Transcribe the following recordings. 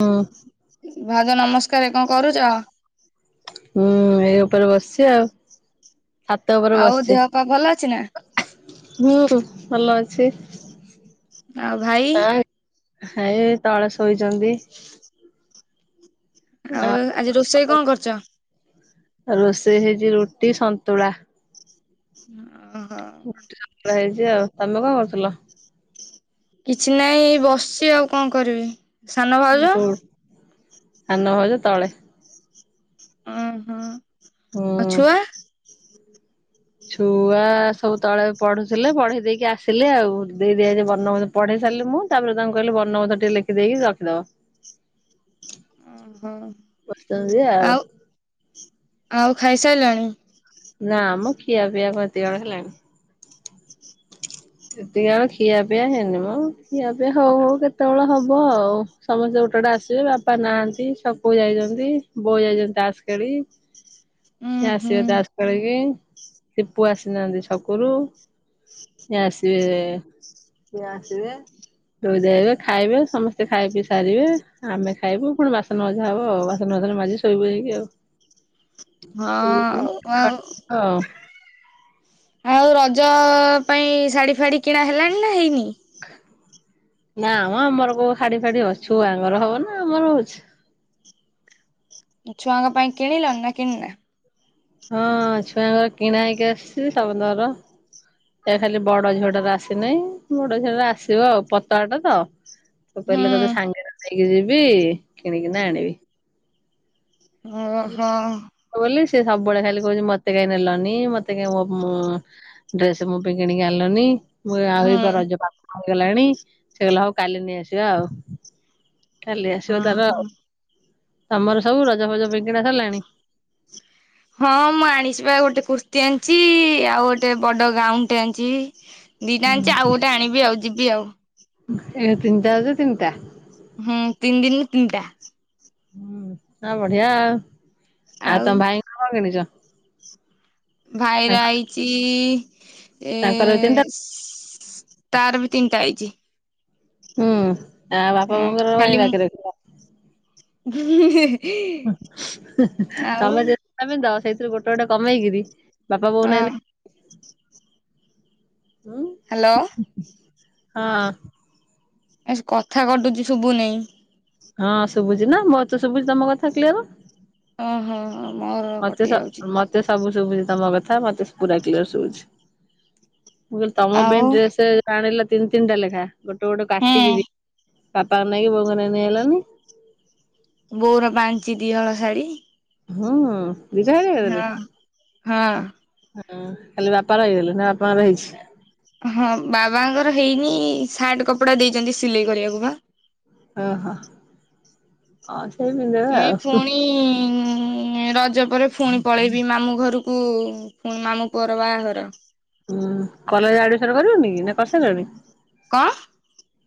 ହଁ। ଭାଉଜ ନମସ୍କାର କଣ କରୁଛ? ହୁଁ ଏଇ ଉପରେ ବସିଛି ଆଉ ଛାତ ଉପରେ ଆଉ ବସିଛି। ଦେହ ପା ଭଲ ଅଛି ନା? ଭୋରୁ ଭଲ ଅଛି। ଆଉ ଭାଇ? ଭାଇ ତଳେ ଶୋଇଛନ୍ତି। ଆ ଆଉ ଆଜି ରୋଷେଇ କଣ କରୁଛ? ଆଉ ରୋଷେଇ ହେଇଛି ରୁଟି ସନ୍ତୁଳା। ଅହ। ପା ହେଇଛି ଆଉ ତମେ କଣ କରୁଥିଲ? କିଛି ନାହିଁ ବସିଛି ଆଉ କଣ କରିବି? ସାନ ଭାଉଜ ସାନ ଭାଉଜ ତଳେ। ହଁ ହଁ। ହଁ। ଛୁଆ ସବୁ ତଳେ ପଢୁଥିଲେ ପଢେଇ ଦେଇକି ଆସିଲେ ଆଉ ଦେଇଦେଇ ଆଇଛି ବର୍ଣ୍ଣବୋଧ ପଢେଇ ସାରିଲି ମୁଁ ତାପରେ ତାଙ୍କୁ କହିଲି ବର୍ଣ୍ଣବୋଧ ଟିକେ ଲେଖିଦେଇକି ରଖିଦବ। ଅହ ଆଉ ଆଉ ଖାଇସାରିଲଣି। ନା ମ ଖିଆ ପିଆ କଣ ଏତି ବେଳୁ ହେଲାଣି। ଏତିକି ବେଳେ ଖିଆ ପିଆ ହେଇନିମ ଖିଆ ପିଆ ହଉ ହଉ କେତେବେଳେ ହବ ଆଉ। ସମସ୍ତେ ଗୋଟେଗୋଟେ ଆସିବେ ବାପା ନାହାନ୍ତି ଛକକୁ ଯାଇଛନ୍ତି ବୋଉ ଯାଇଛନ୍ତି ତାସ ଖେଳି। ଉୁଁ ସେ ହୁଁ ଆସିବେ ତାସ ଖେଳିକି ସିପୁ ଆସିନାହାନ୍ତି ଛକୁରୁ ସେ ଆସିବେ ସେ ଆସିବେ। ଧୋଇଧାଇ ହେବେ ଖାଇବେ ସମସ୍ତେ ଖାଇପିଇ ସାରିବେ ଆମେ ଖାଇବୁ ପୁଣି ବାସ ବାସନ ମଜା ହବ ଆଉ ବାସନ ଫାସନ ମାଜିକି ଶୋଇବୁ ଯାଇକି ହଁ ଆଉ ଆଉ ଆଉ [inaudible] ଆଉ ରଜ ପାଇଁ ଶାଢ଼ୀ ଫାଢ଼ୀ କିଣା ହେଲାଣି ନା ହେଇନି? ନାମ ଆମର କୋଉ ଶାଢ଼ୀ ଫାଡି ହବ ଛୁଆଙ୍କର ହବ ନା ଆମର ହଉଛି। ଛୁଆଙ୍କ ପାଇଁ କିଣିଲଣି ନା କିଣିନା? ହଁ ଛୁଆଙ୍କର କିଣା ହେଇକି ଆସିଛି ସମସ୍ତଙ୍କର। ଏ ଖାଲି ବଡ ଝିଅଟାର ଆସିନାହିଁ ବଡ ଝିଅଟାର ଆସିବ ଆଉ ପତଳାଟା ତ ତ କହିଲେ ହୁଁ ତୋତେ ସାଙ୍ଗରେ ନେଇକି ଯିବି କିଣିକିନା ଆଣିବି? ହଁ ହଁ। ବୋଲି ସେ ସବୁବେଳେ ଖାଲି କହୁଛି ମତେ କାଇଁ ନେଲନି ମତେ କାଇଁ ମୋ ଡ୍ରେସ ମୋ ପାଇଁ କିଣିକି ଆଣିଲନି। ମୁଁ ଆଉ ହୁଁ ରଜ ପାଖ ହେଇଗଲାଣି ସେ କହିଲା କାଲି ନେଇ ଆସିବା ଆଉ କାଲି ଆସିବ ତାର ଓହୋ ତମର ସବୁ ରଜ ଫଜ ପାଇଁ କିଣା ସରିଲାଣି। ହଁ ମୁଁ ଆଣିଛିିବା ଗୋଟେ କୁର୍ତ୍ତି ଆଣିଛି ଆଉ ଗୋଟେ ବଡ ଗାଉନଟେ ଆଣିଛି। ଦିଇଟା ଆଣିଛି ଆଉ ଗୋଟେ ଆଣିବି ଆଉ ଯିବି ଆଉ। ଏ ତନ୍ତ ଆ ତନ୍ତା ହୁଁ ତିନି ଦିନ ତିନିଟା। ହୁଁ ଆ ବଢିଆ ଆଉ ଆଉ ତମ ଭାଇ କଣ କିଣିଛ। ଭାଇର ତାଙ୍କ ଆଇଛି ଏ ତାଙ୍କର ବି ତିନିଟା ତାର ବି ତିନିଟା ହେଇଛି। ହୁଁ ଆ ବାପା ହଁ ବୋଉଙ୍କର କାଇଁ ଖାଲି ମୁଁ ବାକି ରଖିଲ। [unintelligible] ଆଉ ତମେ [unintelligible] ସେଇଥିରୁ ଗୋଟେ ଗୋଟେ କମେଇକିରି। ବାପା ବୋଉ ହଁ ନହି ହ୍ୟାଲୋ। ହଁ। ଆ କଥା କଟୁଛି ଶୁଭୁ ନେଇ ହଁ ଶୁଭୁଛି ନା ମୋତେ ଶୁଭୁଛି ତମ କଥା କ୍ଲିଅର। ଓହୋ ମୋର ମତେ କଟି ଯାଉଛି। ମତେ ସବୁ ଶୁଭୁଛି ତମ କଥା ମତେ ପୁରା କ୍ଲିଅର ଶୁଭୁଛି। ମୁଁ କହିଲି ତମ ପାଇଁ ଆଉ ଡ୍ରେସ ଆଣିଲା ତିନି ତିନିଟା ଲେଖା ଗୋଟେ ଗୋଟେ ହୁଁ କାଟିକି ଦି ବାପାଙ୍କ ନାଇକି ବୋଉଙ୍କ ନାଇକି ନେଇ ଆଇଲନି ବୋଉର ପାଞ୍ଚିଟି ହଳ ଶାଢୀ। ହଁଁ [unintelligible] ହଁ ହଁ ହଁ। ଖାଲି ବାପା ରହିଗଲେ ନା ବାପାଙ୍କର ହେଇଛି। ହଁ ବାବାଙ୍କର ହେଇନି ସାର୍ଟ କପଡା ଦେଇଛନ୍ତି ସିଲେଇ କରିବାକୁ ବା ଓହୋ ହ ସେଇ ପିନ୍ଧବେ ଆଉ। ହୁଁ ରଜ ପରେ ପୁଣି ପଳେଇବି ମାମୁଁ ଘରକୁୁ ମାମୁଁ ପୁଅର ବାହାଘର ହୁଁ କଲେଜ ଆଡମିସନ କରିବନି କି ନା କରି ସାରିଲଣି। କଣ?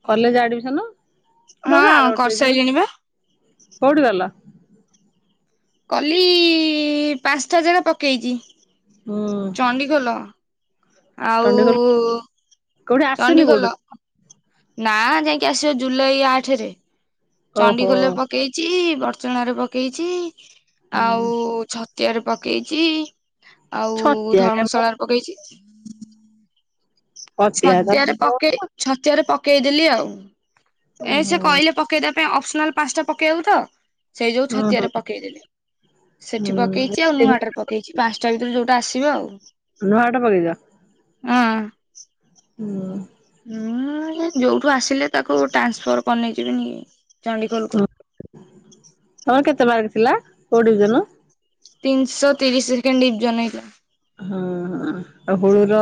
College admission. ସେ ଆର ହଁ ବର୍ଷ ହେଇଛି ନା କରିସାରିଲିଣି ବା କଉଠି କଲ କଲି ପାଞ୍ଚଟା ଜାଗା ପକେଇଛି ହୁଁ ଚଣ୍ଡିଖୋଲ ଆଉ ଚଣ୍ଡିଖୋଲ କୋଉଠି ଆସିନି ଚଣ୍ଡିଖୋଲ କୋଉଠୁ ନା ଯାଇକି ଆସିବ ଜୁଲାଇ ଆଠରେ ଓହୋ ଚଣ୍ଡିଗୋଲ ପକେଇଛି ବର୍ଚଣ ରେ ପକେଇଛି ଆଉ ହୁଁ। ଛ ଚେୟାର ପକେଇଛି ଆଉ ଛତିଆ କାମ ଧର୍ମଶାଳାାରେ ପକେଇଛି ଛତିଆ ଛତିଆରେ ଧରିଥିବ ପକେଇ ଛତିଆରେ ପକେଇଦେଲି ଆଉ ଏ ସେ ଓହୋ କହିଲେ ପକେଇଦବା ପାଇଁ ଅପସନାଲ ପାଞ୍ଚଟା ପକେଇବ ତ ସେଇ ଯୋଉ ଓହୋ ଛତିଆରେ ପକେଇଦଲେ ସେଠି ପକେଇ ହୁଁ। ସେ ଆଉ ହୁଁ ନୂଆଡଟରେ ପକେଇଛି ପାଞ୍ଚଟା ଭିତରେ ଯୋଉଟା ଆସିବ ଆଉ ନ ଆଟ ପେଇଦ ହଁ ହୁଁ ମୁଁ ଯୋଉଠୁ ଆସିଲେ ତାକୁ ଟ୍ରାନ୍ସଫର୍ କରିନେଇଯିବିନି ଚଡିଖୋଲ ହୁଁ ତମର କେତେ ବାାରି ଥିଲା କଡିଜନୁ ତିନିଶହ ତିରିଶ ସେକେଣ୍ଡ ଡିପ୍ଜନଇଥିଲା। ହଁ। ହ ଆଉ ହୁଳ ର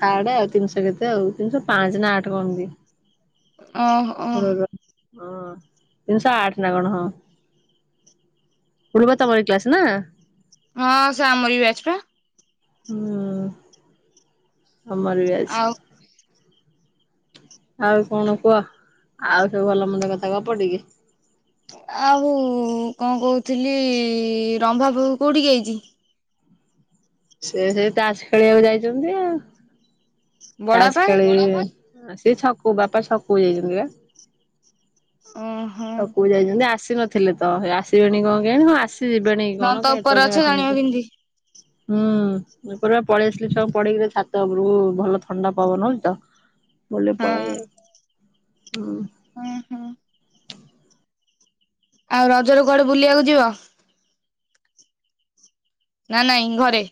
ଥାର୍ଡ ଆଉ ତିନିଶହ କେତେ ଆଉ ତିନିଶହ ପାଞ୍ଚ ନା ଆଠ କଣ ଦି ଓ ହଁ ତିନିଶହ ଆଠ ନା କଣ ହଁ [unintelligible] ତମରି କ୍ଲାସ ନା। ହଁ ସିଏ ଆମରି ବ୍ୟାଚ୍ ପା। ହୁଁ ତମରି ବ୍ୟାଚ୍। ଆଉ ଆଉ କଣ କୁହ ଆଉ ସବୁ ଭଲ ମନ୍ଦ କଥା ଗପ ଟିକେ। ଆଉ କଁ କୋହୁଥିଲି ରମ୍ଭା ବୋହୁ କୋଉଠି ଆଇଚି। ସିଏ ସେଇ ତାଷ ଖେଳିବାକୁ ଯାଇଚନ୍ତି ଆଉ। ତାଷ ବଡବାପା ଖେଳି। ଛକୁକୁ ଓହୋ ଯାଇଚନ୍ତି ଆସିନଥିଲେ ତ ହେଇ ଆସିବେଣି କଁ କେୟାଣି ହଁ ଆସ୍ ସି ଯିବେଣି କି କଣ ନଣନ୍ଦ କାଇଁ ଉପରେ ଅଛ ଏତୋବୋଳେ ଜାଣିବ ଜାଙ୍କେ। [unintelligible] କେମିତି? ହୁଁ ଏପଟେ ପା ପଳେଇ ଆସିଲି ଛୁଆକୁ ପଢେଇକିରି ଛାତ ଓପୁରୁକୁ ଭଲ ଥଣ୍ଡା ପବନ ହୋଉଛି ତ ମୁଁ କହିଲି ଟିକେ ହଁ ପଳାଏ ହୁଁ। ଉଁହୁଁ। ଆଉ ରଜରୁ କୁଆଡେ ବୁଲିବାକୁ ଯିବ। ନା ନାଇଁ ଘରେ।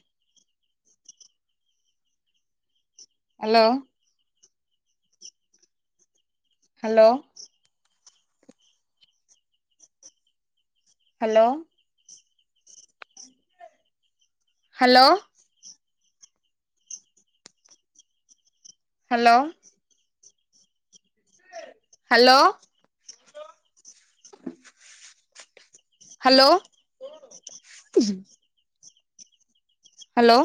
Hello. Hello. Hello. Hello. Hello. Hello. [inaudible] Hello. Hello.